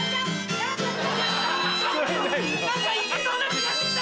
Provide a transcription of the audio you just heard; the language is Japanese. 何かいけそうな気がしてきた。